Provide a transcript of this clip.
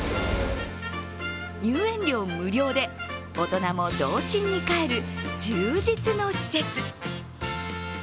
入園料無料で大人も童心に返る充実の施設。